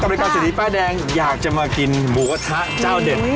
รายการเศรษฐีป้ายแดงอยากจะมากินหมูกระทะเจ้าเด็ด